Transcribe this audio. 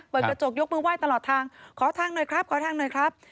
กระจกยกมือไหว้ตลอดทางขอทางหน่อยครับขอทางหน่อยครับ